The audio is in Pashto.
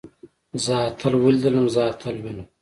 زه اتل وليدلم. زه اتل وينم.